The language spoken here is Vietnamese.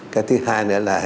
cái thứ hai nữa là